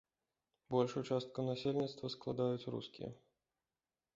Большую частку насельніцтва складаюць рускія.